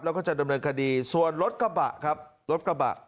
แล้วก็จะดำเนินคดีส่วนรถกระบะครับรถกระบะ